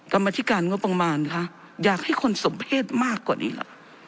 กรรมธิการงบประมาณคะอยากให้คนสมเพศมากกว่านี้เหรอ